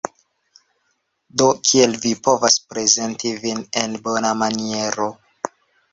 Do kiel vi povas prezenti vin en bona maniero